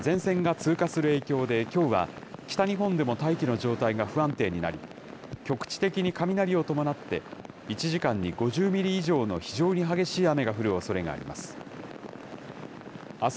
前線が通過する影響できょうは北日本でも大気の状態が不安定になり、局地的に雷を伴って、１時間に５０ミリ以上の非常に激しい雨が降るおそれがあります。